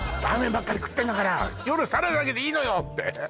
ラーメンばっかり食ってんだから夜サラダだけでいいのよって？